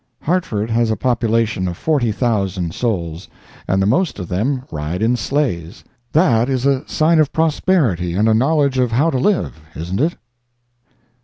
Hartford has a population of 40,000 souls, and the most of them ride in sleighs. That is a sign of prosperity, and a knowledge of how to live—isn't it?